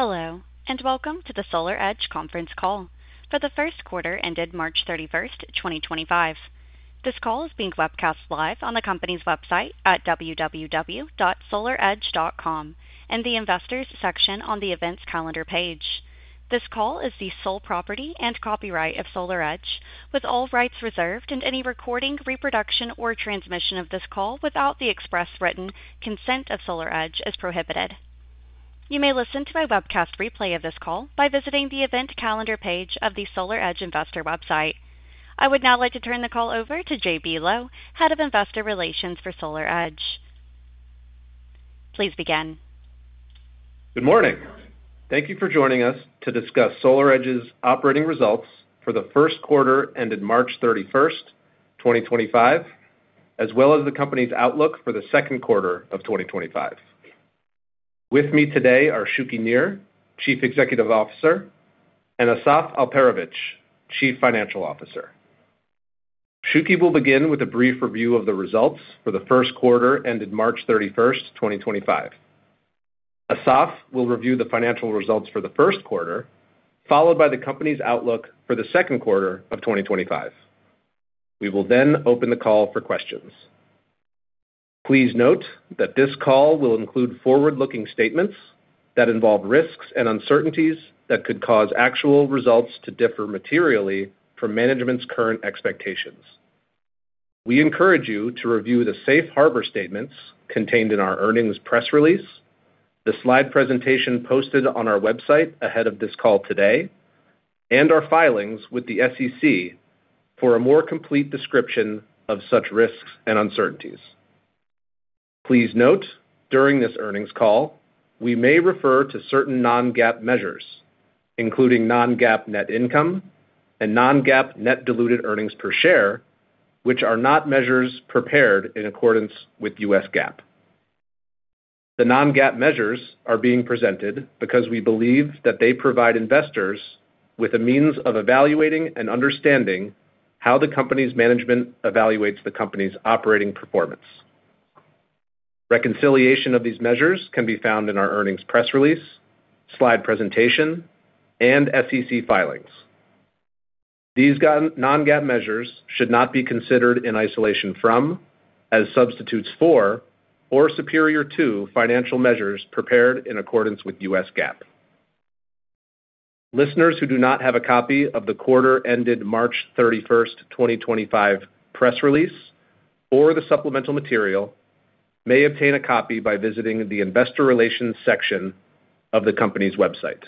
Hello, and welcome to the SolarEdge Conference Call for the first quarter ended March 31, 2025. This call is being webcast live on the company's website at www.solaredge.com and the Investors' section on the Events Calendar page. This call is the sole property and copyright of SolarEdge, with all rights reserved, and any recording, reproduction, or transmission of this call without the express written consent of SolarEdge is prohibited. You may listen to a webcast replay of this call by visiting the Event Calendar page of the SolarEdge Investor website. I would now like to turn the call over to J.B. Lowe, Head of Investor Relations for SolarEdge. Please begin. Good morning. Thank you for joining us to discuss SolarEdge's operating results for the first quarter ended March 31, 2025, as well as the company's outlook for the second quarter of 2025. With me today are Shuki Nir, Chief Executive Officer, and Asaf Alperovitz, Chief Financial Officer. Shuki will begin with a brief review of the results for the first quarter ended March 31, 2025. Asaf will review the financial results for the first quarter, followed by the company's outlook for the second quarter of 2025. We will then open the call for questions. Please note that this call will include forward-looking statements that involve risks and uncertainties that could cause actual results to differ materially from management's current expectations. We encourage you to review the safe harbor statements contained in our earnings press release, the slide presentation posted on our website ahead of this call today, and our filings with the SEC for a more complete description of such risks and uncertainties. Please note during this earnings call, we may refer to certain non-GAAP measures, including non-GAAP net income and non-GAAP net diluted earnings per share, which are not measures prepared in accordance with U.S. GAAP. The non-GAAP measures are being presented because we believe that they provide investors with a means of evaluating and understanding how the company's management evaluates the company's operating performance. Reconciliation of these measures can be found in our earnings press release, slide presentation, and SEC filings. These non-GAAP measures should not be considered in isolation from, as substitutes for, or superior to financial measures prepared in accordance with U.S. GAAP. Listeners who do not have a copy of the quarter-ended March 31, 2025 press release or the supplemental material may obtain a copy by visiting the Investor Relations section of the company's website.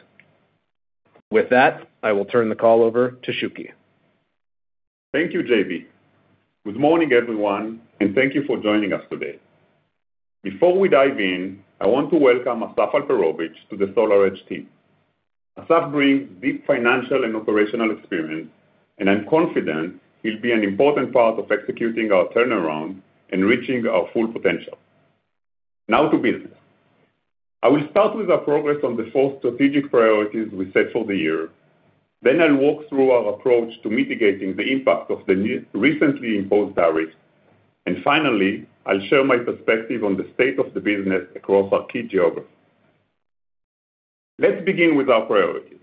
With that, I will turn the call over to Shuki. Thank you, J.B. Good morning, everyone, and thank you for joining us today. Before we dive in, I want to welcome Asaf Alperovitz to the SolarEdge team. Asaf brings deep financial and operational experience, and I'm confident he'll be an important part of executing our turnaround and reaching our full potential. Now to business. I will start with our progress on the four strategic priorities we set for the year. Next, I'll walk through our approach to mitigating the impact of the recently imposed tariffs. Finally, I'll share my perspective on the state of the business across our key geography. Let's begin with our priorities.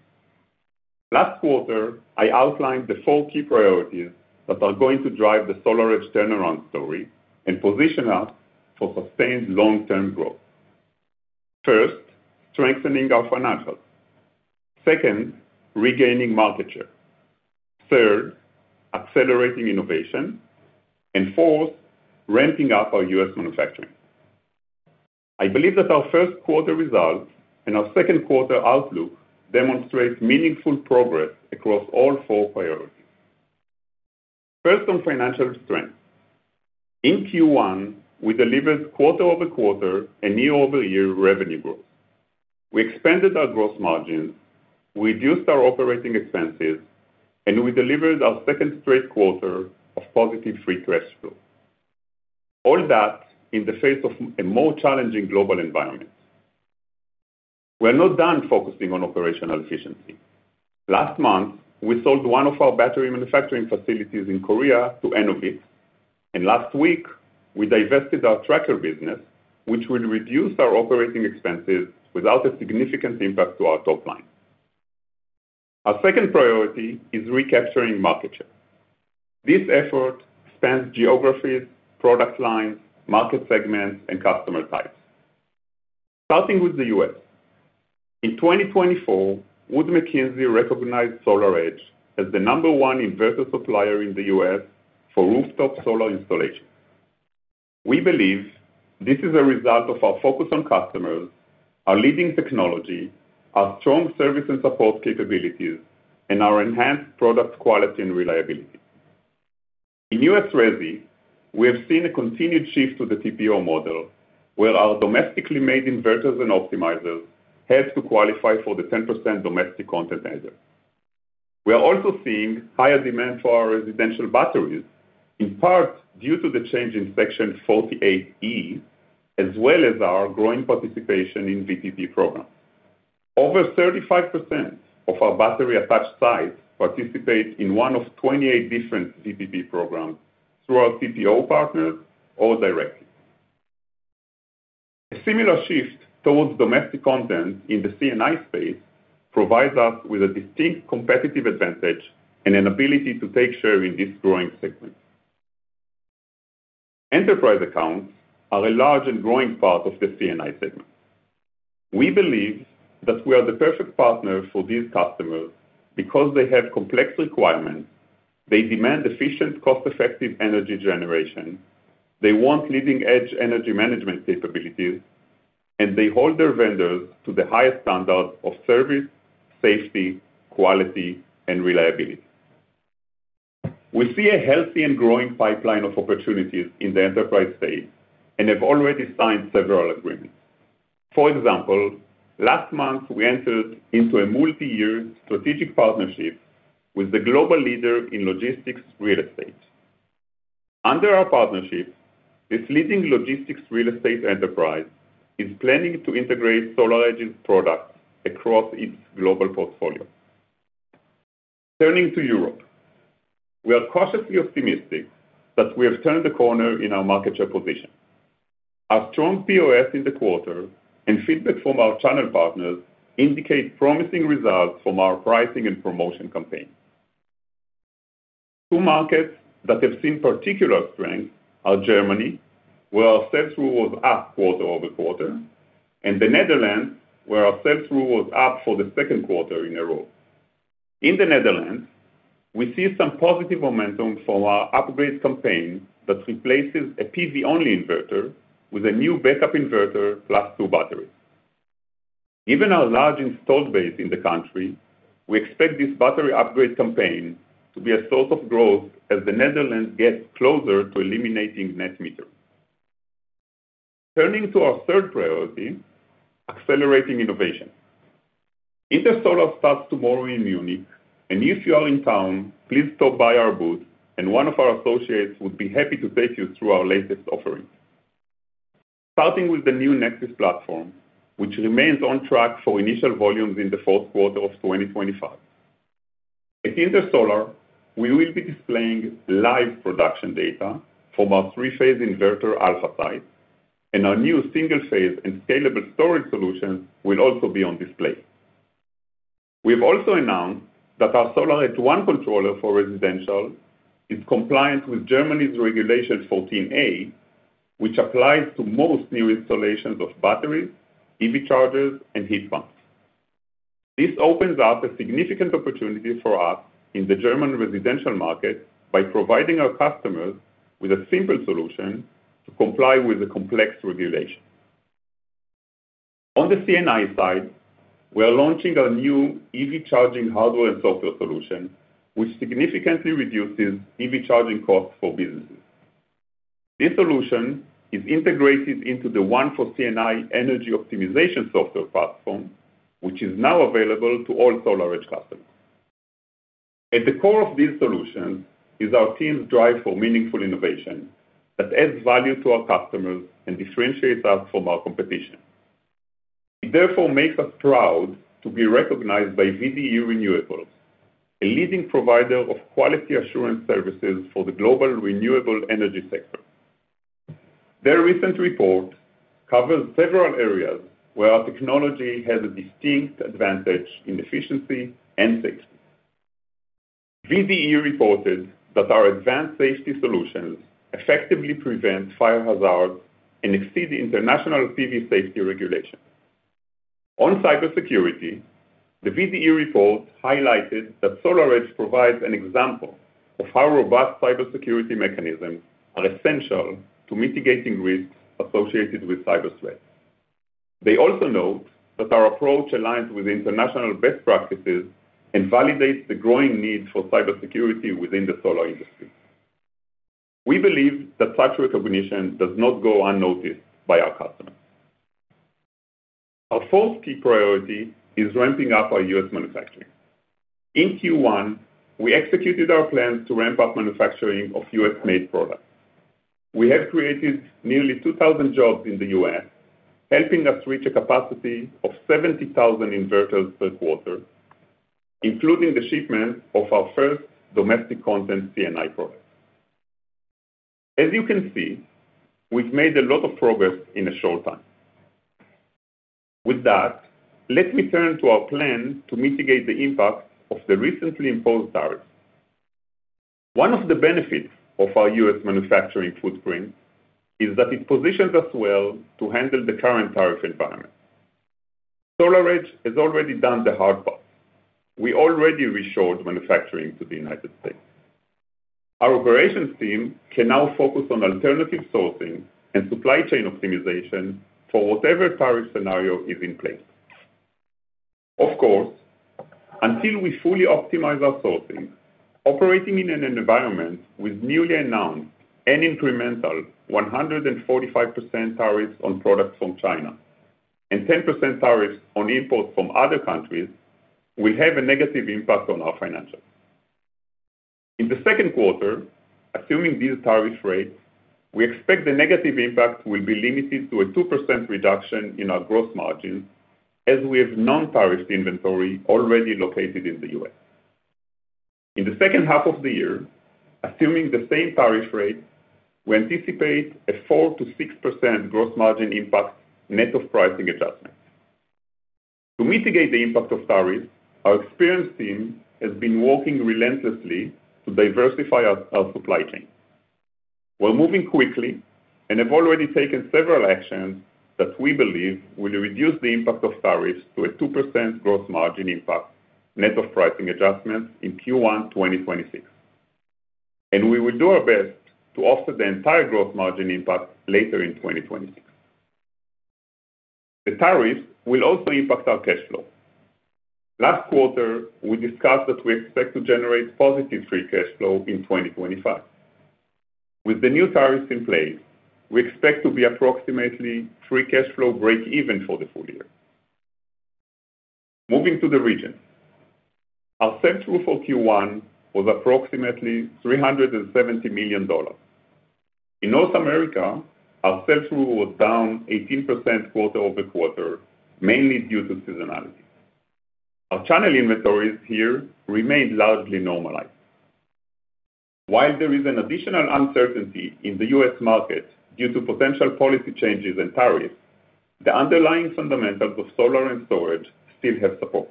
Last quarter, I outlined the four key priorities that are going to drive the SolarEdge turnaround story and position us for sustained long-term growth. First, strengthening our financials. Second, regaining market share. Third, accelerating innovation. Fourth, ramping up our U.S. manufacturing. I believe that our first quarter results and our second quarter outlook demonstrate meaningful progress across all four priorities. First, on financial strength. In Q1, we delivered quarter-over-quarter and year-over-year revenue growth. We expanded our gross margins, we reduced our operating expenses, and we delivered our second straight quarter of positive free cash flow. All that in the face of a more challenging global environment. We're not done focusing on operational efficiency. Last month, we sold one of our battery manufacturing facilities in Korea to Enovit, and last week, we divested our tracker business, which would reduce our operating expenses without a significant impact to our top line. Our second priority is recapturing market share. This effort spans geographies, product lines, market segments, and customer types. Starting with the U.S. In 2024, Wood Mackenzie recognized SolarEdge as the number one inverter supplier in the U.S. for rooftop solar installations. We believe this is a result of our focus on customers, our leading technology, our strong service and support capabilities, and our enhanced product quality and reliability. In U.S. resi, we have seen a continued shift to the TPO model, where our domestically made inverters and optimizers help to qualify for the 10% domestic content bonus. We are also seeing higher demand for our residential batteries, in part due to the change in Section 48E, as well as our growing participation in VPP programs. Over 35% of our battery attached sites participate in one of 28 different VPP programs through our TPO partners or directly. A similar shift towards domestic content in the CNI space provides us with a distinct competitive advantage and an ability to take share in this growing segment. Enterprise accounts are a large and growing part of the CNI segment. We believe that we are the perfect partner for these customers because they have complex requirements, they demand efficient, cost-effective energy generation, they want leading-edge energy management capabilities, and they hold their vendors to the highest standards of service, safety, quality, and reliability. We see a healthy and growing pipeline of opportunities in the enterprise space and have already signed several agreements. For example, last month, we entered into a multi-year strategic partnership with the global leader in logistics real estate. Under our partnership, this leading logistics real estate enterprise is planning to integrate SolarEdge's products across its global portfolio. Turning to Europe, we are cautiously optimistic that we have turned the corner in our market share position. Our strong POS in the quarter and feedback from our channel partners indicate promising results from our pricing and promotion campaign. Two markets that have seen particular strength are Germany, where our sales rule was up quarter-over-quarter, and the Netherlands, where our sales rule was up for the second quarter in a row. In the Netherlands, we see some positive momentum from our upgrade campaign that replaces a PV-only inverter with a new backup inverter plus two batteries. Given our large installed base in the country, we expect this battery upgrade campaign to be a source of growth as the Netherlands gets closer to eliminating net metering. Turning to our third priority, accelerating innovation. InterSolar starts tomorrow in Munich. If you are in town, please stop by our booth, and one of our associates would be happy to take you through our latest offerings. Starting with the new Nexus platform, which remains on track for initial volumes in the fourth quarter of 2025. At InterSolar, we will be displaying live production data from our three-phase inverter alpha sites, and our new single-phase and scalable storage solutions will also be on display. We have also announced that our SolarEdge One controller for residential is compliant with Germany's regulation 14A, which applies to most new installations of batteries, EV chargers, and heat pumps. This opens up a significant opportunity for us in the German residential market by providing our customers with a simple solution to comply with the complex regulation. On the CNI side, we are launching a new EV charging hardware and software solution, which significantly reduces EV charging costs for businesses. This solution is integrated into the One for CNI energy optimization software platform, which is now available to all SolarEdge customers. At the core of these solutions is our team's drive for meaningful innovation that adds value to our customers and differentiates us from our competition. It therefore makes us proud to be recognized by VDE Renewables, a leading provider of quality assurance services for the global renewable energy sector. Their recent report covers several areas where our technology has a distinct advantage in efficiency and safety. VDE reported that our advanced safety solutions effectively prevent fire hazards and exceed international PV safety regulations. On cybersecurity, the VDE report highlighted that SolarEdge provides an example of how robust cybersecurity mechanisms are essential to mitigating risks associated with cyber threats. They also note that our approach aligns with international best practices and validates the growing need for cybersecurity within the solar industry. We believe that such recognition does not go unnoticed by our customers. Our fourth key priority is ramping up our U.S. manufacturing. In Q1, we executed our plans to ramp up manufacturing of U.S. made products. We have created nearly 2,000 jobs in the U.S., helping us reach a capacity of 70,000 inverters per quarter, including the shipment of our first domestic content CNI products. As you can see, we've made a lot of progress in a short time. With that, let me turn to our plan to mitigate the impact of the recently imposed tariffs. One of the benefits of our U.S. manufacturing footprint is that it positions us well to handle the current tariff environment. SolarEdge has already done the hard part. We already reshored manufacturing to the United States. Our operations team can now focus on alternative sourcing and supply chain optimization for whatever tariff scenario is in place. Of course, until we fully optimize our sourcing, operating in an environment with newly announced and incremental 145% tariffs on products from China and 10% tariffs on imports from other countries will have a negative impact on our financials. In the second quarter, assuming these tariff rates, we expect the negative impact will be limited to a 2% reduction in our gross margins as we have non-tariffed inventory already located in the U.S. In the second half of the year, assuming the same tariff rates, we anticipate a 4%-6% gross margin impact net of pricing adjustments. To mitigate the impact of tariffs, our experienced team has been working relentlessly to diversify our supply chain. We're moving quickly and have already taken several actions that we believe will reduce the impact of tariffs to a 2% gross margin impact net of pricing adjustments in Q1 2026. We will do our best to offset the entire gross margin impact later in 2026. The tariffs will also impact our cash flow. Last quarter, we discussed that we expect to generate positive free cash flow in 2025. With the new tariffs in place, we expect to be approximately free cash flow break-even for the full year. Moving to the region, our sales rule for Q1 was approximately $370 million. In North America, our sales rule was down 18% quarter-over-quarter, mainly due to seasonality. Our channel inventories here remained largely normalized. While there is an additional uncertainty in the U.S. market due to potential policy changes and tariffs, the underlying fundamentals of solar and storage still have support.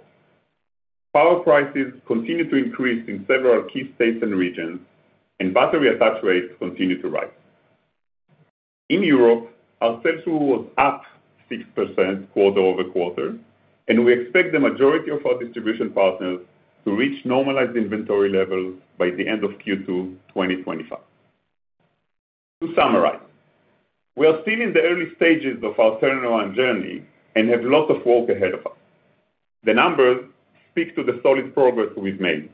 Power prices continue to increase in several key states and regions, and battery attach rates continue to rise. In Europe, our sales grew up 6% quarter-over-quarter, and we expect the majority of our distribution partners to reach normalized inventory levels by the end of Q2 2025. To summarize, we are still in the early stages of our turnaround journey and have lots of work ahead of us. The numbers speak to the solid progress we've made,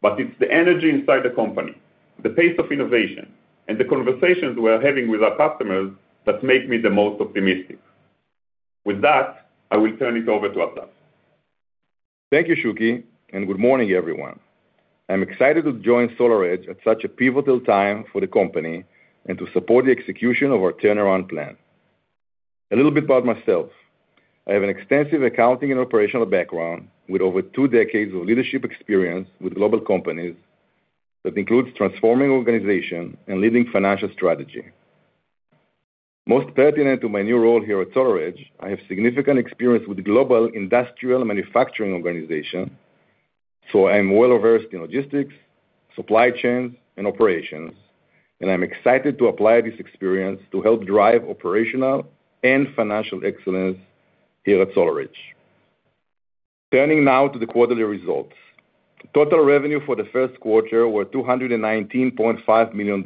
but it's the energy inside the company, the pace of innovation, and the conversations we are having with our customers that make me the most optimistic. With that, I will turn it over to Asaf. Thank you, Shuki, and good morning, everyone. I'm excited to join SolarEdge at such a pivotal time for the company and to support the execution of our turnaround plan. A little bit about myself. I have an extensive accounting and operational background with over two decades of leadership experience with global companies that includes transforming organization and leading financial strategy. Most pertinent to my new role here at SolarEdge, I have significant experience with global industrial manufacturing organization, so I'm well versed in logistics, supply chains, and operations, and I'm excited to apply this experience to help drive operational and financial excellence here at SolarEdge. Turning now to the quarterly results. Total revenue for the first quarter was $219.5 million.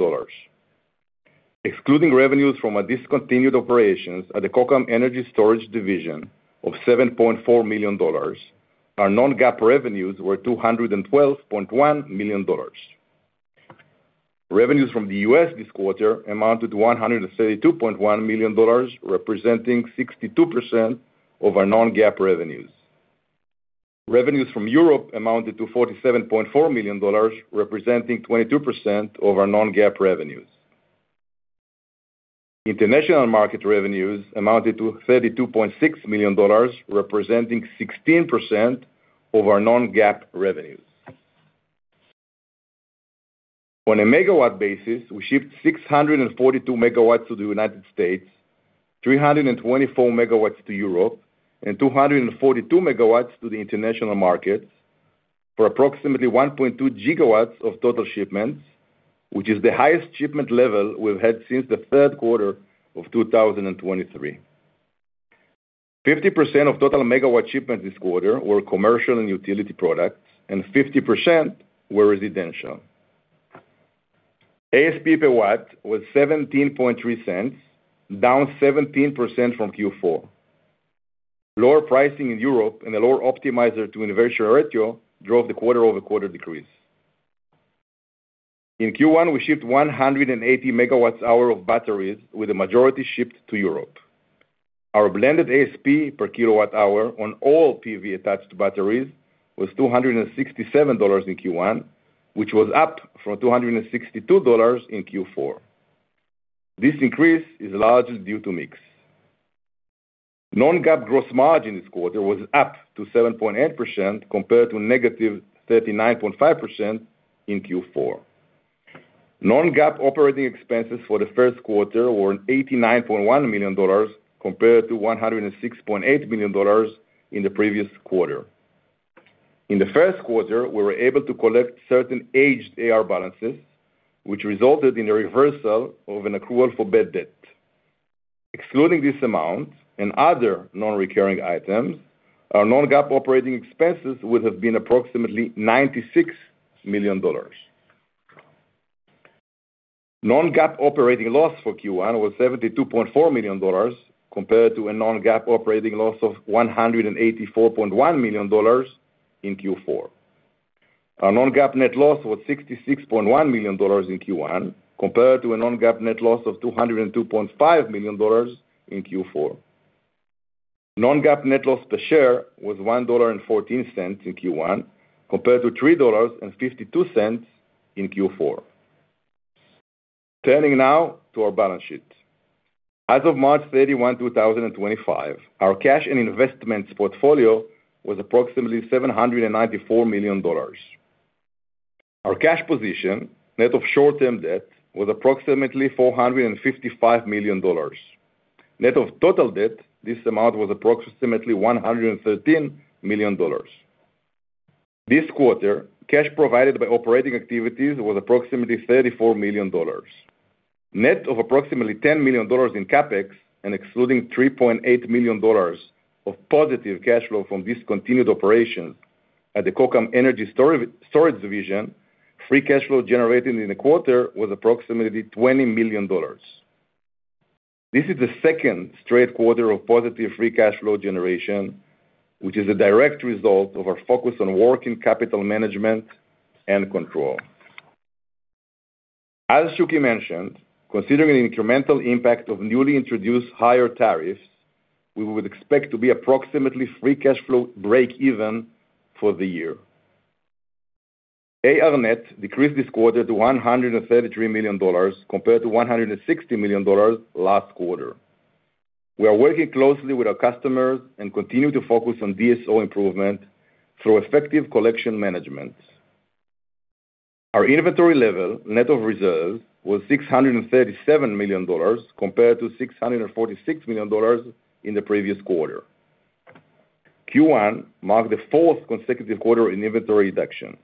Excluding revenues from our discontinued operations at the Cochran Energy Storage Division of $7.4 million, our non-GAAP revenues were $212.1 million. Revenues from the U.S. this quarter amounted to $132.1 million, representing 62% of our non-GAAP revenues. Revenues from Europe amounted to $47.4 million, representing 22% of our non-GAAP revenues. International market revenues amounted to $32.6 million, representing 16% of our non-GAAP revenues. On a MW basis, we shipped 642 MW to the United States, 324 MW to Europe, and 242 MW to the international markets for approximately 1.2 GW of total shipments, which is the highest shipment level we've had since the third quarter of 2023. 50% of total MW shipments this quarter were commercial and utility products, and 50% were residential. ASP per watt was $0.173, down 17% from Q4. Lower pricing in Europe and a lower optimizer to inverter ratio drove the quarter-over-quarter decrease. In Q1, we shipped 180 MW-hours of batteries, with the majority shipped to Europe. Our blended ASP per kW-hour on all PV-attached batteries was $267 in Q1, which was up from $262 in Q4. This increase is largely due to mix. Non-GAAP gross margin this quarter was up to 7.8% compared to negative 39.5% in Q4. Non-GAAP operating expenses for the first quarter were $89.1 million compared to $106.8 million in the previous quarter. In the first quarter, we were able to collect certain aged AR balances, which resulted in a reversal of an accrual for bad debt. Excluding this amount and other non-recurring items, our non-GAAP operating expenses would have been approximately $96 million. Non-GAAP operating loss for Q1 was $72.4 million compared to a non-GAAP operating loss of $184.1 million in Q4. Our non-GAAP net loss was $66.1 million in Q1 compared to a non-GAAP net loss of $202.5 million in Q4. Non-GAAP net loss per share was $1.14 in Q1 compared to $3.52 in Q4. Turning now to our balance sheet. As of March 31, 2025, our cash and investments portfolio was approximately $794 million. Our cash position, net of short-term debt, was approximately $455 million. Net of total debt, this amount was approximately $113 million. This quarter, cash provided by operating activities was approximately $34 million. Net of approximately $10 million in CapEx and excluding $3.8 million of positive cash flow from discontinued operations at the Cochran Energy Storage Division, free cash flow generated in the quarter was approximately $20 million. This is the second straight quarter of positive free cash flow generation, which is a direct result of our focus on working capital management and control. As Shuki mentioned, considering the incremental impact of newly introduced higher tariffs, we would expect to be approximately free cash flow break-even for the year. AR net decreased this quarter to $133 million compared to $160 million last quarter. We are working closely with our customers and continue to focus on DSO improvement through effective collection management. Our inventory level, net of reserves, was $637 million compared to $646 million in the previous quarter. Q1 marked the fourth consecutive quarter in inventory reduction.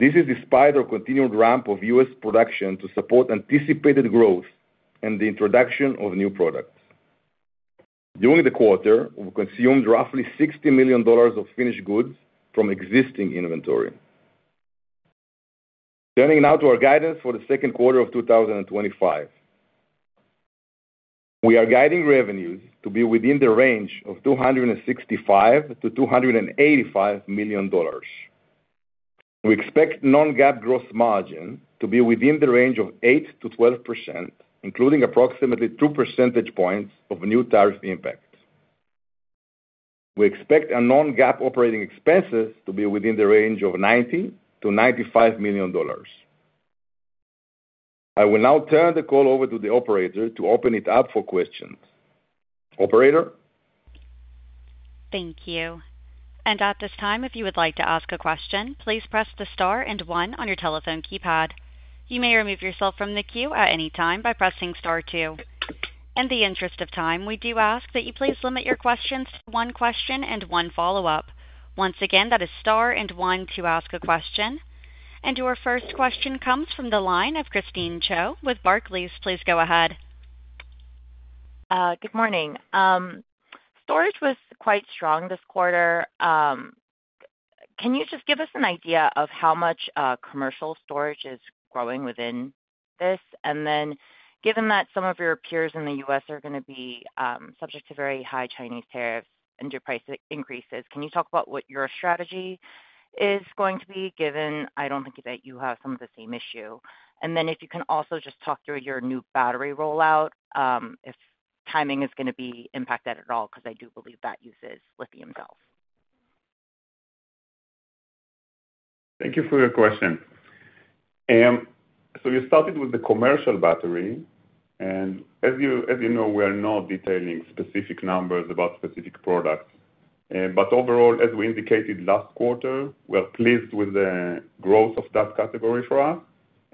This is despite our continued ramp of U.S. production to support anticipated growth and the introduction of new products. During the quarter, we consumed roughly $60 million of finished goods from existing inventory. Turning now to our guidance for the second quarter of 2025. We are guiding revenues to be within the range of $265-$285 million. We expect non-GAAP gross margin to be within the range of 8%-12%, including approximately 2 percentage points of new tariff impact. We expect our non-GAAP operating expenses to be within the range of $90 million-$95 million. I will now turn the call over to the operator to open it up for questions. Operator. Thank you. At this time, if you would like to ask a question, please press the star and one on your telephone keypad. You may remove yourself from the queue at any time by pressing star two. In the interest of time, we do ask that you please limit your questions to one question and one follow-up. Once again, that is star and one to ask a question. Your first question comes from the line of Christine Cho with Barclays. Please go ahead. Good morning. Storage was quite strong this quarter. Can you just give us an idea of how much commercial storage is growing within this? Given that some of your peers in the U.S. are going to be subject to very high Chinese tariffs and your price increases, can you talk about what your strategy is going to be, given I do not think that you have some of the same issue? If you can also just talk through your new battery rollout, if timing is going to be impacted at all, because I do believe that uses lithium cells. Thank you for your question. We started with the commercial battery. As you know, we are not detailing specific numbers about specific products. Overall, as we indicated last quarter, we are pleased with the growth of that category for us.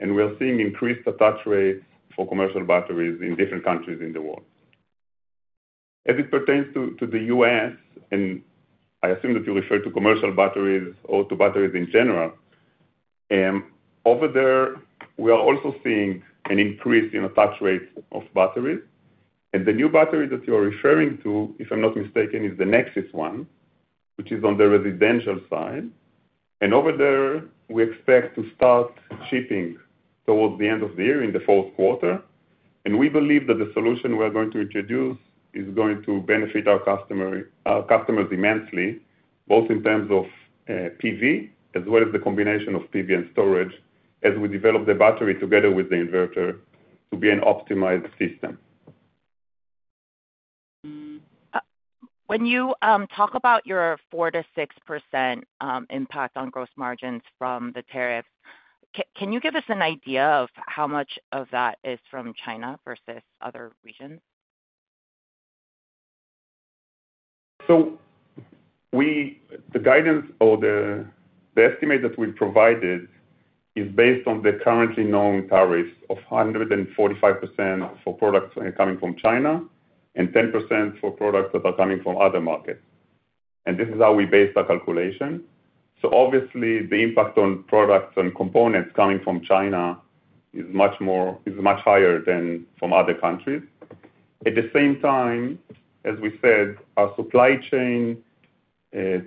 We are seeing increased attach rates for commercial batteries in different countries in the world. As it pertains to the U.S., and I assume that you refer to commercial batteries or to batteries in general, over there, we are also seeing an increase in attach rates of batteries. The new battery that you are referring to, if I'm not mistaken, is the Nexus one, which is on the residential side. Over there, we expect to start shipping towards the end of the year in the fourth quarter. We believe that the solution we are going to introduce is going to benefit our customers immensely, both in terms of PV as well as the combination of PV and storage as we develop the battery together with the inverter to be an optimized system. When you talk about your 4%-6% impact on gross margins from the tariffs, can you give us an idea of how much of that is from China versus other regions? The guidance or the estimate that we provided is based on the currently known tariffs of 145% for products coming from China and 10% for products that are coming from other markets. This is how we base our calculation. Obviously, the impact on products and components coming from China is much higher than from other countries. At the same time, as we said, our supply chain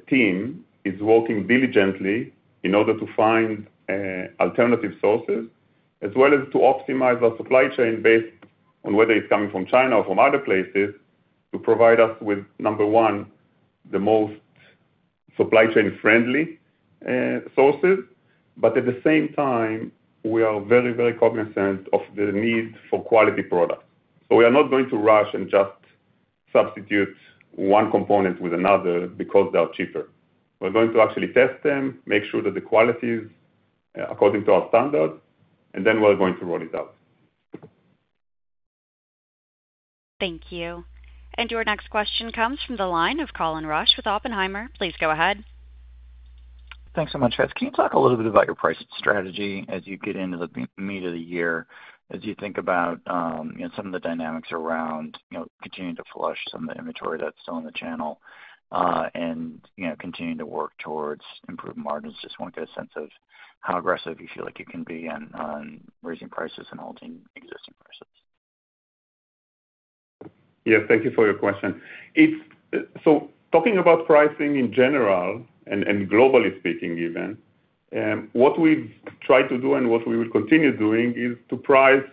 team is working diligently in order to find alternative sources as well as to optimize our supply chain based on whether it is coming from China or from other places to provide us with, number one, the most supply chain-friendly sources. At the same time, we are very, very cognizant of the need for quality products. We are not going to rush and just substitute one component with another because they are cheaper. We are going to actually test them, make sure that the quality is according to our standards, and then we are going to roll it out. Thank you. Your next question comes from the line of Colin Rusch with Oppenheimer. Please go ahead. Thanks so much, Fritz. Can you talk a little bit about your price strategy as you get into the meat of the year, as you think about some of the dynamics around continuing to flush some of the inventory that is still in the channel and continuing to work towards improved margins? Just want to get a sense of how aggressive you feel like you can be on raising prices and holding existing prices. Yeah, thank you for your question. Talking about pricing in general and globally speaking even, what we have tried to do and what we will continue doing is to price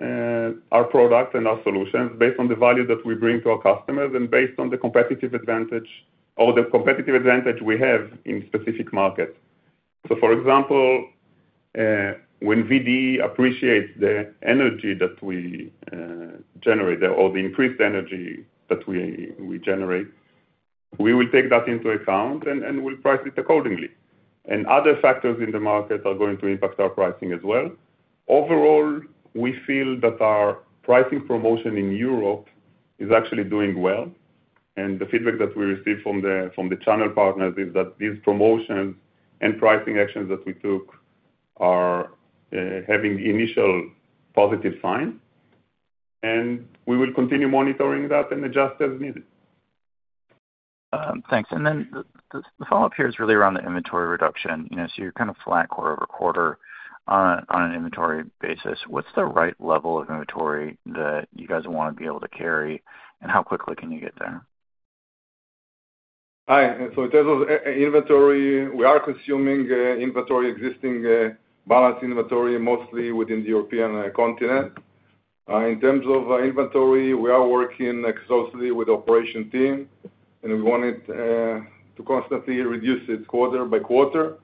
our products and our solutions based on the value that we bring to our customers and based on the competitive advantage or the competitive advantage we have in specific markets. For example, when VDE appreciates the energy that we generate or the increased energy that we generate, we will take that into account and we will price it accordingly. Other factors in the market are going to impact our pricing as well. Overall, we feel that our pricing promotion in Europe is actually doing well. The feedback that we received from the channel partners is that these promotions and pricing actions that we took are having initial positive signs. We will continue monitoring that and adjust as needed. Thanks. The follow-up here is really around the inventory reduction. You are kind of flat quarter over quarter on an inventory basis. What is the right level of inventory that you guys want to be able to carry, and how quickly can you get there? In terms of inventory, we are consuming inventory, existing balance inventory, mostly within the European continent. In terms of inventory, we are working closely with the operation team, and we want to constantly reduce it quarter by quarter.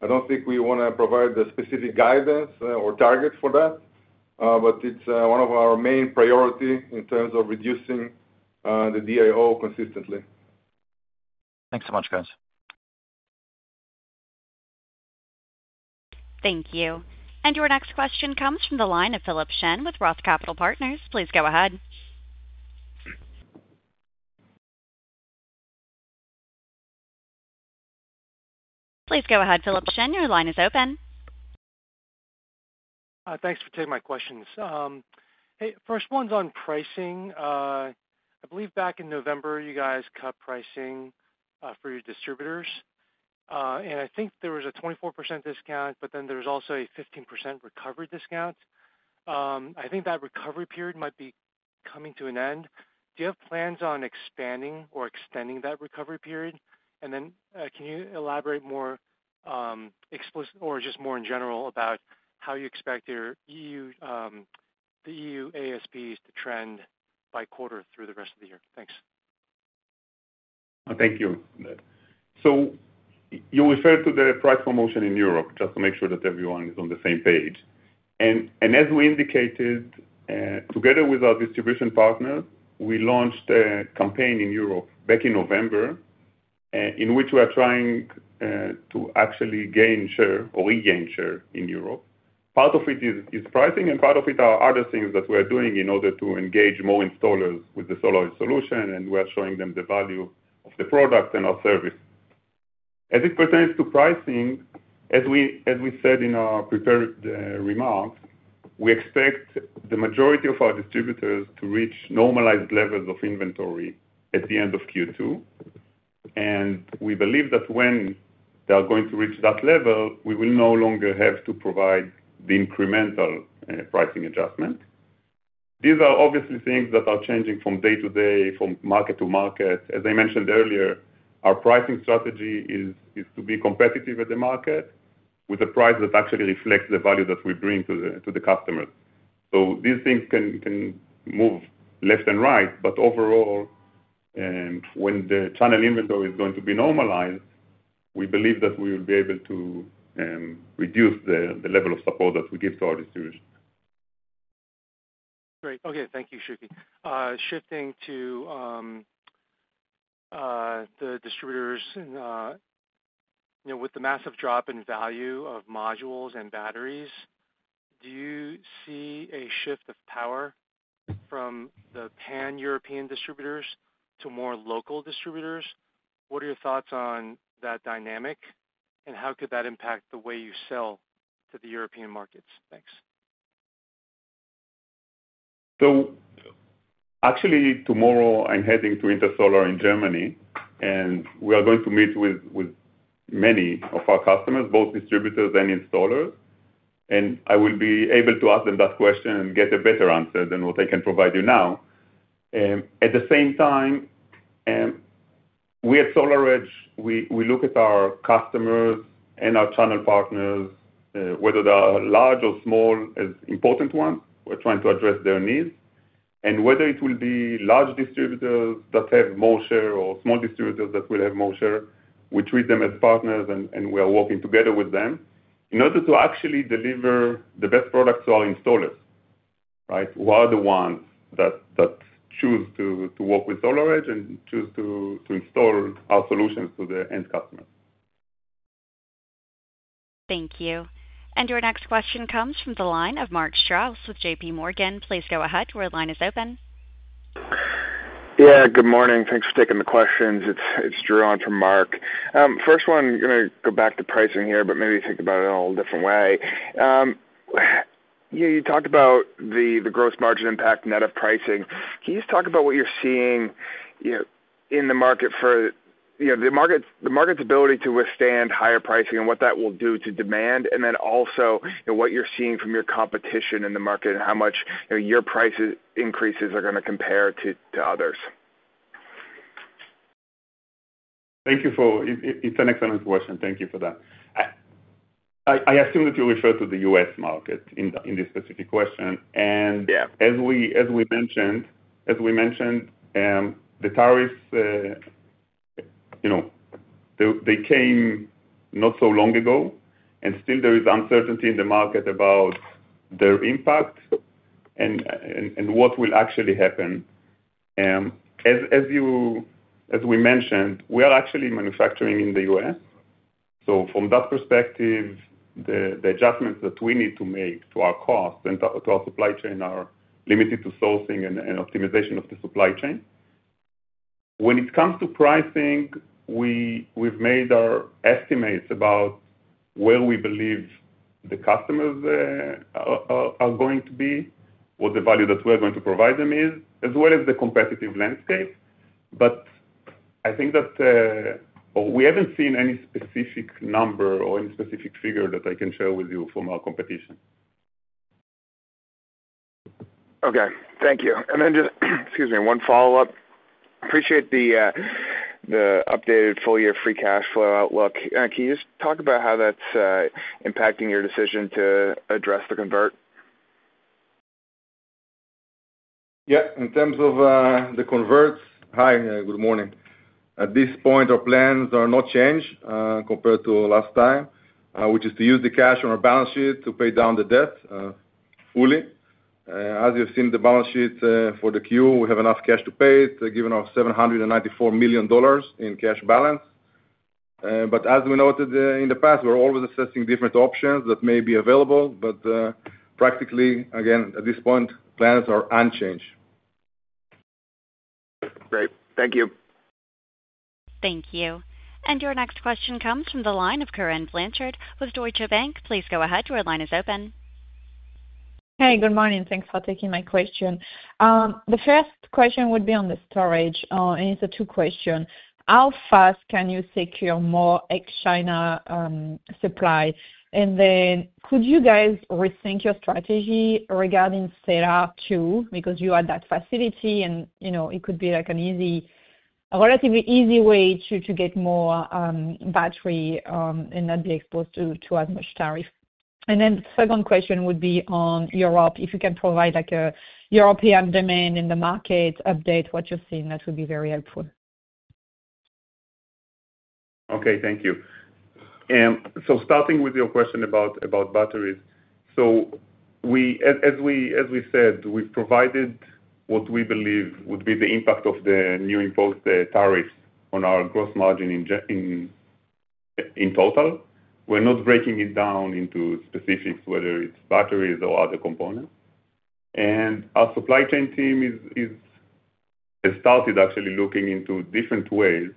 I do not think we want to provide the specific guidance or target for that, but it is one of our main priorities in terms of reducing the DIO consistently. Thanks so much, guys. Thank you. Your next question comes from the line of Philip Shen with Roth Capital Partners. Please go ahead. Please go ahead, Philip Shen. Your line is open. Thanks for taking my questions. First one's on pricing. I believe back in November, you guys cut pricing for your distributors. I think there was a 24% discount, but then there was also a 15% recovery discount. I think that recovery period might be coming to an end. Do you have plans on expanding or extending that recovery period? Can you elaborate more or just more in general about how you expect the EU ASPs to trend by quarter through the rest of the year? Thanks. Thank you. You referred to the price promotion in Europe just to make sure that everyone is on the same page. As we indicated, together with our distribution partners, we launched a campaign in Europe back in November in which we are trying to actually gain share or regain share in Europe. Part of it is pricing, and part of it are other things that we are doing in order to engage more installers with the solar solution, and we are showing them the value of the product and our service. As it pertains to pricing, as we said in our prepared remarks, we expect the majority of our distributors to reach normalized levels of inventory at the end of Q2. We believe that when they are going to reach that level, we will no longer have to provide the incremental pricing adjustment. These are obviously things that are changing from day to day, from market to market. As I mentioned earlier, our pricing strategy is to be competitive at the market with a price that actually reflects the value that we bring to the customers. These things can move left and right. Overall, when the channel inventory is going to be normalized, we believe that we will be able to reduce the level of support that we give to our distribution. Great. Okay. Thank you, Shuki. Shifting to the distributors, with the massive drop in value of modules and batteries, do you see a shift of power from the pan-European distributors to more local distributors? What are your thoughts on that dynamic, and how could that impact the way you sell to the European markets? Thanks. Actually, tomorrow, I am heading to InterSolar in Germany, and we are going to meet with many of our customers, both distributors and installers. I will be able to ask them that question and get a better answer than what I can provide you now. At the same time, we at SolarEdge, we look at our customers and our channel partners, whether they are large or small, as important ones. We are trying to address their needs. Whether it will be large distributors that have more share or small distributors that will have more share, we treat them as partners, and we are working together with them in order to actually deliver the best products to our installers, right, who are the ones that choose to work with SolarEdge and choose to install our solutions to the end customers. Thank you. Your next question comes from the line of Mark Strauss with JPMorgan. Please go ahead. The line is open. Yeah, good morning. Thanks for taking the questions. It's Juran from Mark. First one, going to go back to pricing here, but maybe think about it in a little different way. You talked about the gross margin impact net of pricing. Can you just talk about what you're seeing in the market for the market's ability to withstand higher pricing and what that will do to demand, and then also what you're seeing from your competition in the market and how much your price increases are going to compare to others? Thank you for it's an excellent question. Thank you for that. I assume that you refer to the U.S. market in this specific question. As we mentioned, the tariffs, they came not so long ago, and still there is uncertainty in the market about their impact and what will actually happen. As we mentioned, we are actually manufacturing in the U.S. From that perspective, the adjustments that we need to make to our costs and to our supply chain are limited to sourcing and optimization of the supply chain. When it comes to pricing, we've made our estimates about where we believe the customers are going to be, what the value that we are going to provide them is, as well as the competitive landscape. I think that we haven't seen any specific number or any specific figure that I can share with you from our competition. Okay. Thank you. Excuse me, one follow-up. Appreciate the updated full-year free cash flow outlook. Can you just talk about how that's impacting your decision to address the convert? Yeah. In terms of the converts, hi, good morning. At this point, our plans are not changed compared to last time, which is to use the cash on our balance sheet to pay down the debt fully. As you've seen the balance sheet for the Q, we have enough cash to pay it, given our $794 million in cash balance. As we noted in the past, we're always assessing different options that may be available. Practically, again, at this point, plans are unchanged. Great. Thank you. Thank you. Your next question comes from the line of Corinne Blanchard with Deutsche Bank. Please go ahead. Your line is open. Hey, good morning. Thanks for taking my question. The first question would be on the storage, and it's a two-question. How fast can you secure more ex-China supply? Could you guys rethink your strategy regarding Sella 2? Because you had that facility, and it could be a relatively easy way to get more battery and not be exposed to as much tariff. The second question would be on Europe. If you can provide a European demand in the market, update what you've seen, that would be very helpful. Okay. Thank you. Starting with your question about batteries, as we said, we've provided what we believe would be the impact of the new imposed tariffs on our gross margin in total. We're not breaking it down into specifics, whether it's batteries or other components. Our supply chain team has started actually looking into different ways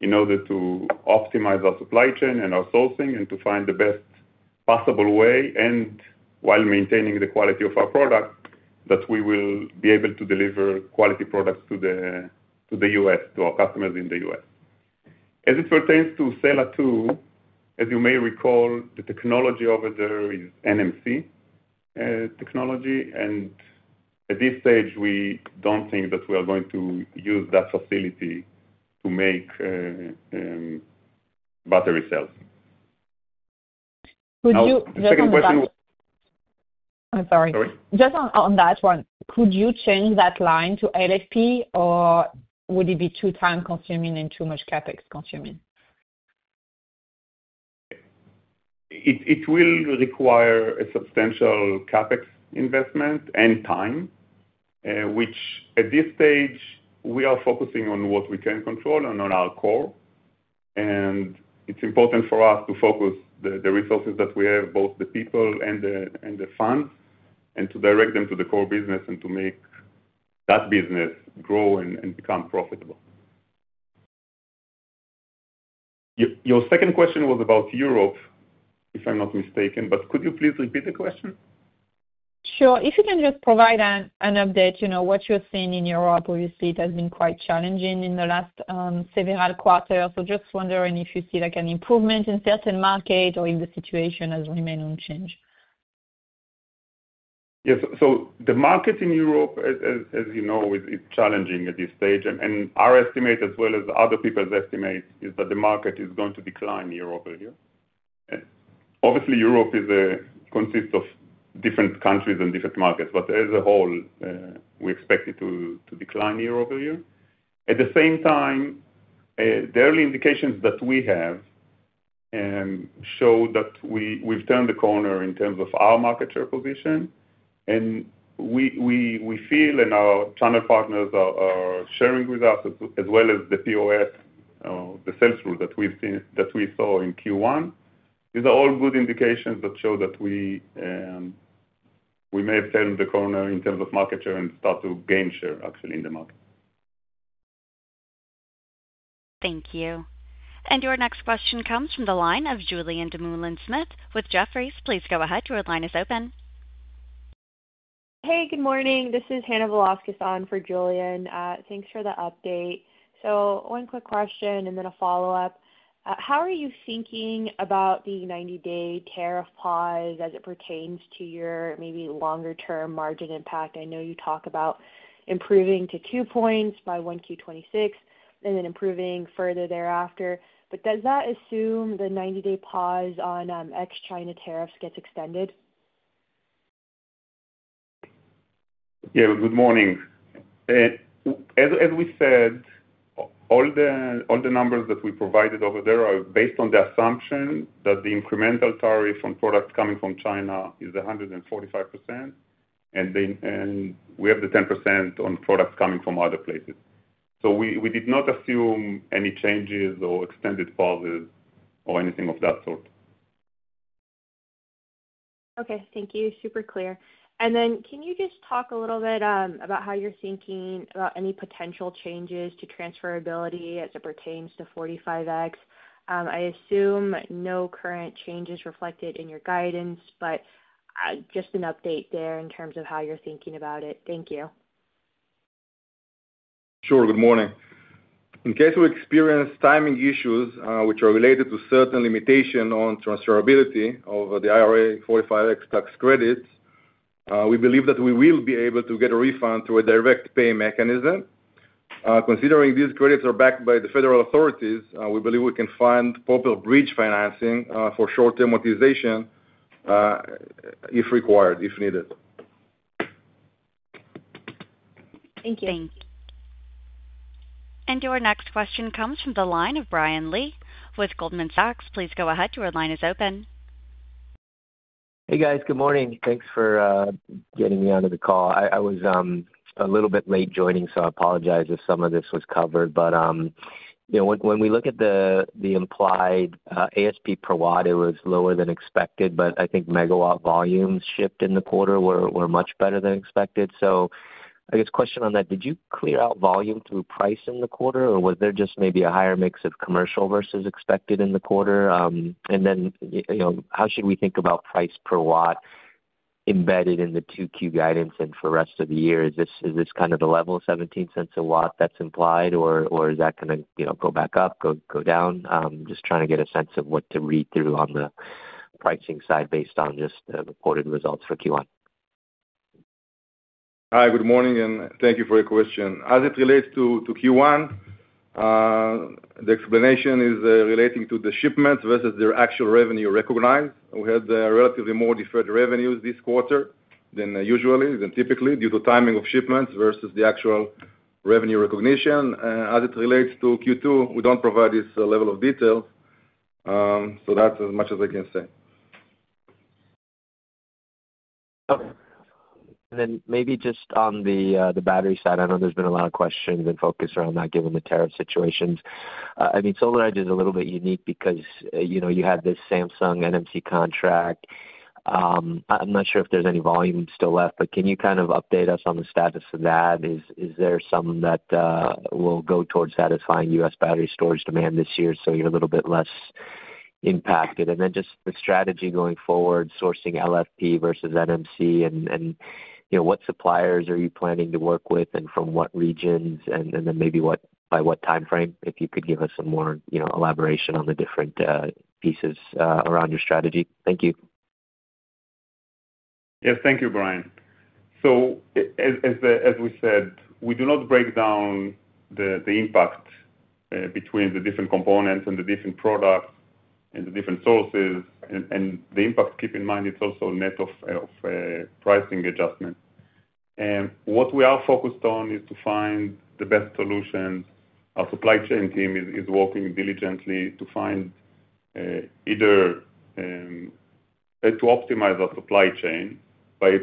in order to optimize our supply chain and our sourcing and to find the best possible way while maintaining the quality of our product that we will be able to deliver quality products to the U.S., to our customers in the U.S. As it pertains to Sella 2, as you may recall, the technology over there is NMC technology. At this stage, we do not think that we are going to use that facility to make battery cells. Could you just on that one? I'm sorry. Sorry? Just on that one, could you change that line to LFP, or would it be too time-consuming and too much CapEx consuming? It will require a substantial CapEx investment and time, which at this stage, we are focusing on what we can control and on our core. It is important for us to focus the resources that we have, both the people and the funds, and to direct them to the core business and to make that business grow and become profitable. Your second question was about Europe, if I am not mistaken, but could you please repeat the question? Sure. If you can just provide an update, what you are seeing in Europe, obviously, it has been quite challenging in the last several quarters. Just wondering if you see an improvement in certain markets or if the situation has remained unchanged. Yes. The market in Europe, as you know, is challenging at this stage. Our estimate, as well as other people's estimates, is that the market is going to decline year-over-year. Obviously, Europe consists of different countries and different markets, but as a whole, we expect it to decline year-over-year. At the same time, the early indications that we have show that we've turned the corner in terms of our market share position. We feel and our channel partners are sharing with us, as well as the POS, the sales rule that we saw in Q1. These are all good indications that show that we may have turned the corner in terms of market share and start to gain share, actually, in the market. Thank you. Your next question comes from the line of Julian Demoulin-Smith with Jefferies. Please go ahead. Your line is open. Hey, good morning. This is Hannibal Oscarsen for Julian. Thanks for the update. One quick question and then a follow-up. How are you thinking about the 90-day tariff pause as it pertains to your maybe longer-term margin impact? I know you talk about improving to two points by 1Q 2026 and then improving further thereafter. Does that assume the 90-day pause on ex-China tariffs gets extended? Yeah. Good morning. As we said, all the numbers that we provided over there are based on the assumption that the incremental tariff on products coming from China is 145%, and we have the 10% on products coming from other places. We did not assume any changes or extended pauses or anything of that sort. Okay. Thank you. Super clear. Can you just talk a little bit about how you're thinking about any potential changes to transferability as it pertains to 45X? I assume no current changes reflected in your guidance, but just an update there in terms of how you're thinking about it. Thank you. Sure. Good morning. In case we experience timing issues, which are related to certain limitations on transferability of the IRA 45X tax credits, we believe that we will be able to get a refund through a direct pay mechanism. Considering these credits are backed by the federal authorities, we believe we can find proper bridge financing for short-term utilization if required, if needed. Thank you. Thank you. Your next question comes from the line of Brian Lee with Goldman Sachs. Please go ahead. Your line is open. Hey, guys. Good morning. Thanks for getting me onto the call. I was a little bit late joining, so I apologize if some of this was covered. When we look at the implied ASP per watt, it was lower than expected, but I think MW volumes shipped in the quarter were much better than expected. I guess question on that, did you clear out volume through price in the quarter, or was there just maybe a higher mix of commercial versus expected in the quarter? How should we think about price per watt embedded in the 2Q guidance and for the rest of the year? Is this kind of the level of 17 cents a watt that's implied, or is that going to go back up, go down? Just trying to get a sense of what to read through on the pricing side based on just the reported results for Q1. Hi, good morning, and thank you for your question. As it relates to Q1, the explanation is relating to the shipments versus their actual revenue recognized. We had relatively more deferred revenues this quarter than usually, than typically, due to timing of shipments versus the actual revenue recognition. As it relates to Q2, we do not provide this level of detail. That is as much as I can say. Maybe just on the battery side, I know there has been a lot of questions and focus around that given the tariff situations. I mean, SolarEdge is a little bit unique because you had this Samsung NMC contract. I am not sure if there is any volume still left, but can you kind of update us on the status of that? Is there some that will go towards satisfying U.S. battery storage demand this year so you are a little bit less impacted? The strategy going forward, sourcing LFP versus NMC, and what suppliers are you planning to work with and from what regions, and maybe by what timeframe? If you could give us some more elaboration on the different pieces around your strategy. Thank you. Yes. Thank you, Brian. As we said, we do not break down the impact between the different components and the different products and the different sources. The impact, keep in mind, is also net of pricing adjustment. What we are focused on is to find the best solutions. Our supply chain team is working diligently to optimize our supply chain by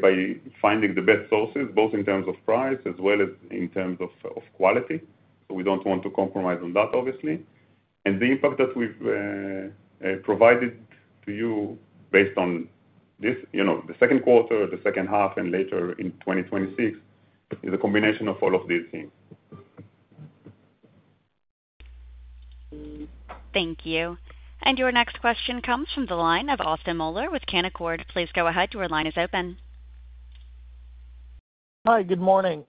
finding the best sources, both in terms of price as well as in terms of quality. We do not want to compromise on that, obviously. The impact that we have provided to you based on this, the second quarter, the second half, and later in 2026, is a combination of all of these things. Thank you. Your next question comes from the line of Austin Moeller with Canaccord. Please go ahead. Your line is open. Hi, good morning.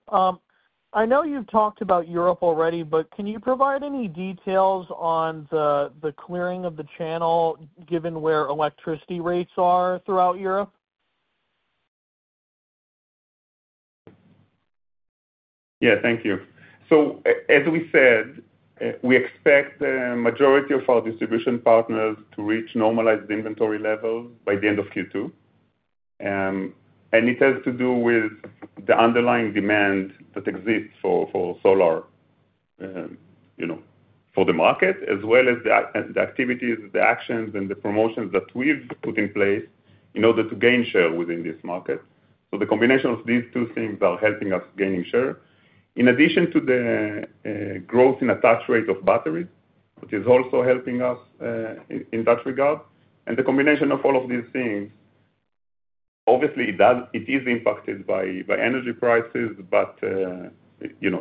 I know you've talked about Europe already, but can you provide any details on the clearing of the channel given where electricity rates are throughout Europe? Yeah. Thank you. As we said, we expect the majority of our distribution partners to reach normalized inventory levels by the end of Q2. It has to do with the underlying demand that exists for solar for the market, as well as the activities, the actions, and the promotions that we've put in place in order to gain share within this market. The combination of these two things are helping us gain share. In addition to the growth in attach rate of batteries, which is also helping us in that regard. The combination of all of these things, obviously, it is impacted by energy prices, but there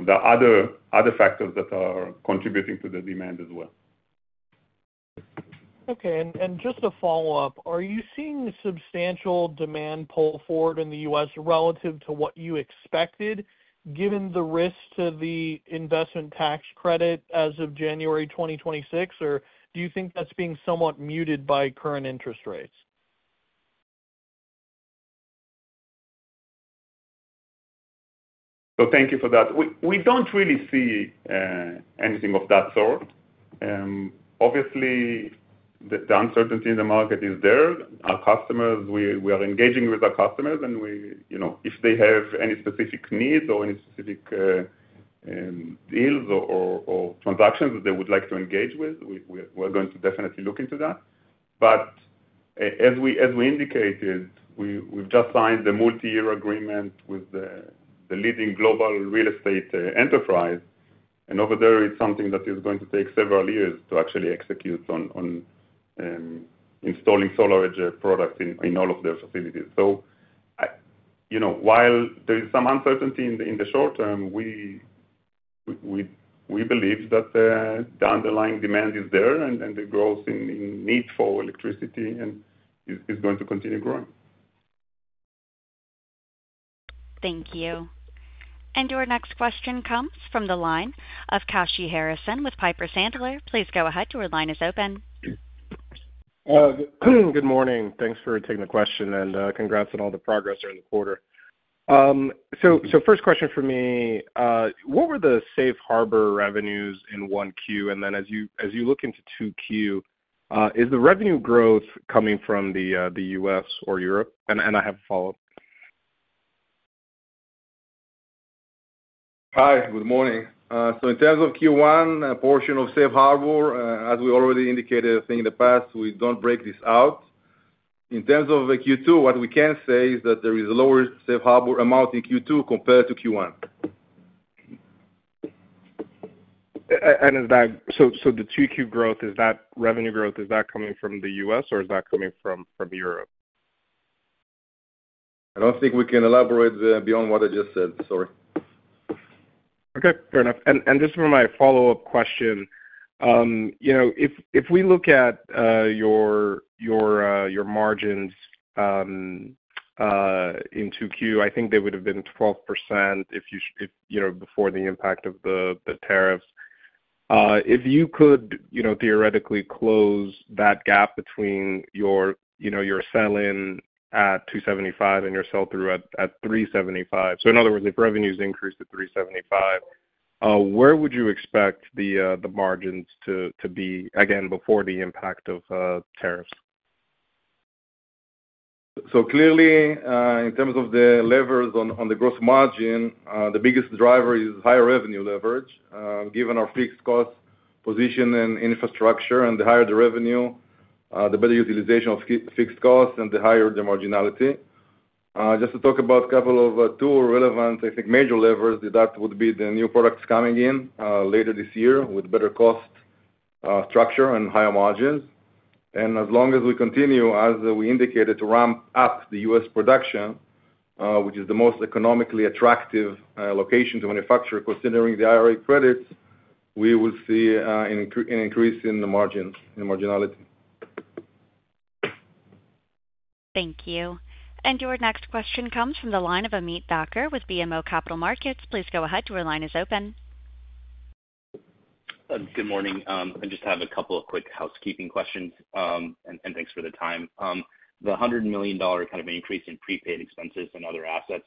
are other factors that are contributing to the demand as well. Okay. Just to follow up, are you seeing substantial demand pull forward in the U.S. relative to what you expected given the risk to the investment tax credit as of January 2026, or do you think that's being somewhat muted by current interest rates? Thank you for that. We do not really see anything of that sort. Obviously, the uncertainty in the market is there. Our customers, we are engaging with our customers, and if they have any specific needs or any specific deals or transactions that they would like to engage with, we are going to definitely look into that. As we indicated, we have just signed the multi-year agreement with the leading global real estate enterprise. Over there, it is something that is going to take several years to actually execute on installing SolarEdge products in all of their facilities. While there is some uncertainty in the short term, we believe that the underlying demand is there, and the growth in need for electricity is going to continue growing. Thank you. Your next question comes from the line of Kashy Harrison with Piper Sandler. Please go ahead. Your line is open. Good morning. Thanks for taking the question and congrats on all the progress during the quarter. First question for me, what were the safe harbor revenues in Q1? As you look into 2Q, is the revenue growth coming from the U.S. or Europe? I have a follow-up. Hi, good morning. In terms of Q1, a portion of safe harbor, as we already indicated, I think in the past, we do not break this out. In terms of Q2, what we can say is that there is a lower safe harbor amount in Q2 compared to Q1. The 2Q growth, is that revenue growth, is that coming from the U.S., or is that coming from Europe? I do not think we can elaborate beyond what I just said. Sorry. Okay. Fair enough. Just for my follow-up question, if we look at your margins in 2Q, I think they would have been 12% before the impact of the tariffs. If you could theoretically close that gap between your sell-in at $275 and your sell-through at $375, in other words, if revenues increase to $375, where would you expect the margins to be, again, before the impact of tariffs? Clearly, in terms of the levers on the gross margin, the biggest driver is higher revenue leverage. Given our fixed-cost position and infrastructure, and the higher the revenue, the better utilization of fixed costs, and the higher the marginality. Just to talk about a couple of two relevant, I think, major levers, that would be the new products coming in later this year with better cost structure and higher margins. As long as we continue, as we indicated, to ramp up the U.S. production, which is the most economically attractive location to manufacture, considering the IRA credits, we will see an increase in the marginality. Thank you. Your next question comes from the line of Ameet Thakkar with BMO Capital Markets. Please go ahead. Your line is open. Good morning. I just have a couple of quick housekeeping questions, and thanks for the time. The $100 million kind of increase in prepaid expenses and other assets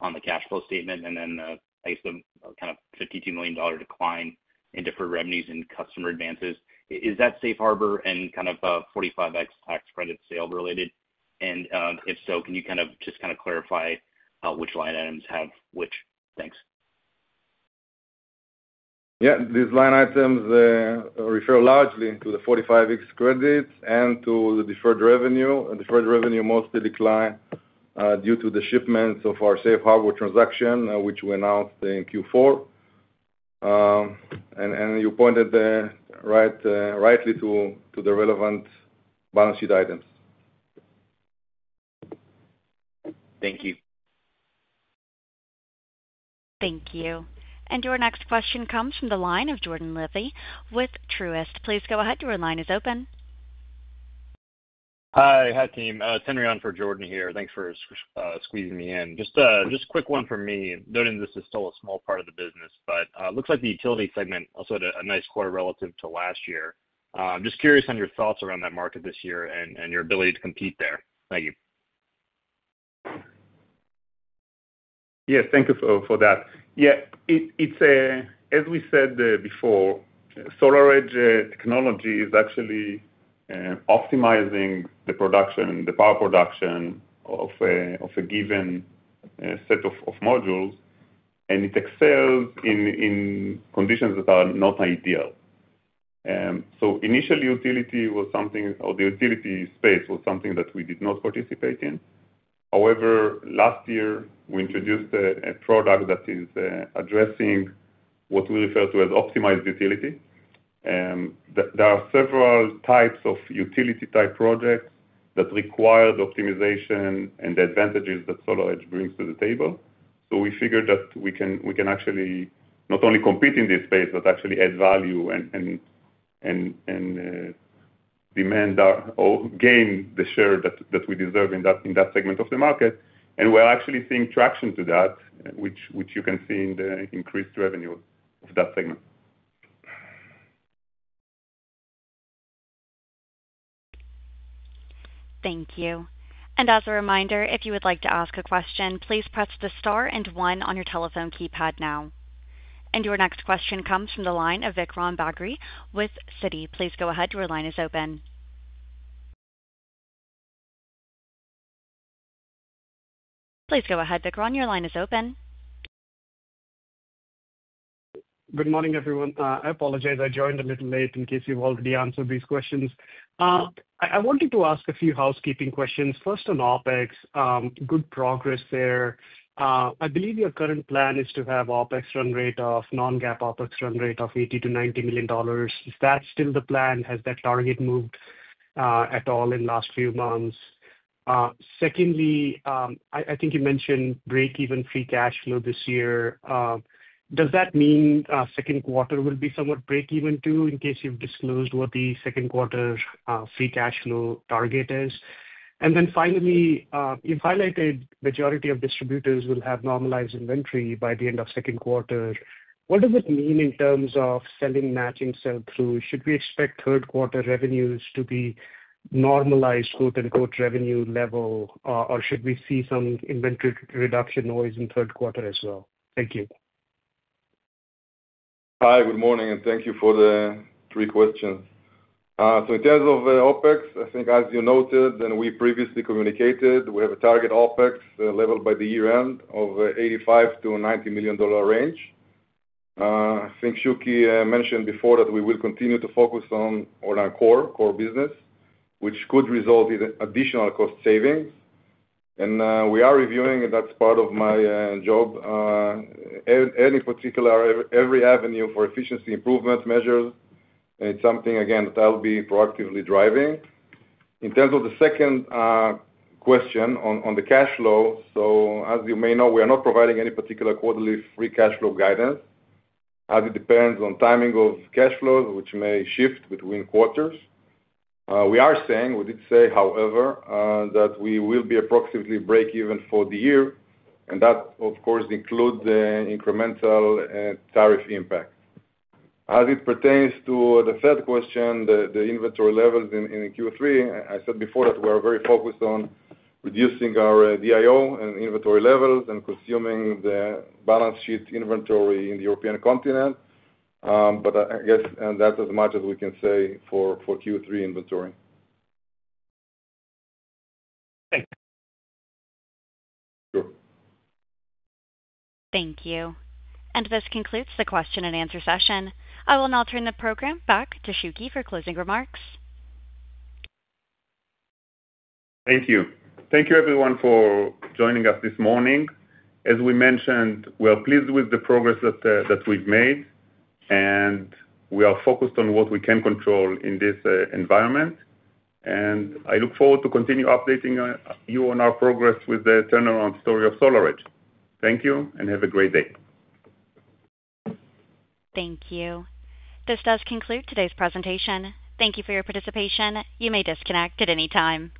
on the cash flow statement, and then I guess the kind of $52 million decline in deferred revenues and customer advances, is that safe harbor and kind of 45X tax credit sale related? If so, can you just clarify which line items have which? Thanks. Yeah. These line items refer largely to the 45X credits and to the deferred revenue. The deferred revenue mostly declined due to the shipments of our safe harbor transaction, which we announced in Q4. You pointed rightly to the relevant balance sheet items. Thank you. Thank you. Your next question comes from the line of Jordan Levee with Truist. Please go ahead. Your line is open. Hi, hi, team. It's Henry on for Jordan here. Thanks for squeezing me in. Just a quick one for me. Noting this is still a small part of the business, but it looks like the utility segment also had a nice quarter relative to last year. I'm just curious on your thoughts around that market this year and your ability to compete there. Thank you. Yeah. Thank you for that. Yeah. As we said before, SolarEdge Technologies is actually optimizing the power production of a given set of modules, and it excels in conditions that are not ideal. Initially, utility was something, or the utility space was something that we did not participate in. However, last year, we introduced a product that is addressing what we refer to as optimized utility. There are several types of utility-type projects that require the optimization and the advantages that SolarEdge brings to the table. We figured that we can actually not only compete in this space, but actually add value and gain the share that we deserve in that segment of the market. We are actually seeing traction to that, which you can see in the increased revenue of that segment. Thank you. As a reminder, if you would like to ask a question, please press the star and one on your telephone keypad now. Your next question comes from the line of Vikram Bagri with Citi. Please go ahead. Your line is open. Please go ahead, Vikram. Your line is open. Good morning, everyone. I apologize. I joined a little late in case you have already answered these questions. I wanted to ask a few housekeeping questions. First on OpEx, good progress there. I believe your current plan is to have OpEx run rate of non-GAAP OpEx run rate of $80 million-$90 million. Is that still the plan? Has that target moved at all in the last few months? Secondly, I think you mentioned break-even free cash flow this year. Does that mean second quarter will be somewhat break-even too in case you've disclosed what the second quarter free cash flow target is? Finally, you've highlighted majority of distributors will have normalized inventory by the end of second quarter. What does it mean in terms of selling match and sell-through? Should we expect third quarter revenues to be normalized quote-unquote revenue level, or should we see some inventory reduction noise in third quarter as well? Thank you. Hi, good morning, and thank you for the three questions. In terms of OpEx, I think as you noted and we previously communicated, we have a target OpEx level by the year-end of $85 million-$90 million range. I think Shuki mentioned before that we will continue to focus on our core business, which could result in additional cost savings. We are reviewing, and that's part of my job, every avenue for efficiency improvement measures. It's something, again, that I'll be proactively driving. In terms of the second question on the cash flow, as you may know, we are not providing any particular quarterly free cash flow guidance. It depends on timing of cash flows, which may shift between quarters. We did say, however, that we will be approximately break-even for the year. That, of course, includes incremental tariff impact. As it pertains to the third question, the inventory levels in Q3, I said before that we are very focused on reducing our DIO and inventory levels and consuming the balance sheet inventory in the European continent. I guess that's as much as we can say for Q3 inventory. Thank you. Sure. Thank you. This concludes the question and answer session. I will now turn the program back to Shuki for closing remarks. Thank you. Thank you, everyone, for joining us this morning. As we mentioned, we are pleased with the progress that we've made, and we are focused on what we can control in this environment. I look forward to continue updating you on our progress with the turnaround story of SolarEdge. Thank you, and have a great day. Thank you. This does conclude today's presentation. Thank you for your participation. You may disconnect at any time.